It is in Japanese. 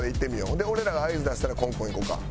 ほんで俺らが合図出したらコンコンいこうか。